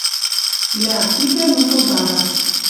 Цилӓ активлӓн ынгылдара.